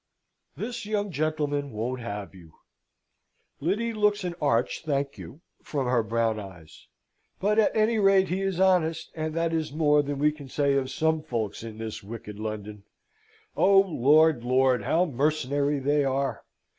"This young gentleman won't have you." (Lyddy looks an arch "Thank you, sir," from her brown eyes.) "But at any rate he is honest, and that is more than we can say of some folks in this wicked London. Oh, Lord, Lord, how mercenary they are!